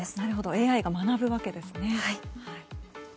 ＡＩが学ぶわけですね。